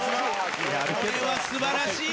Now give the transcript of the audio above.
これは素晴らしい！